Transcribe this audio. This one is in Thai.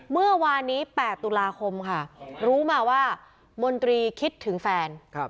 เมื่อวานนี้๘ตุลาคมค่ะรู้มาว่ามนตรีคิดถึงแฟน